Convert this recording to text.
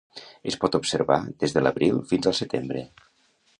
Es pot observar des de l'abril fins al setembre.